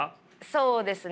そうですね。